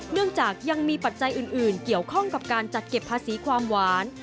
เนื่องจากยังมีปัจจัยอื่นเกี่ยวข้องกับการจัดเก็บภาษีความหวาน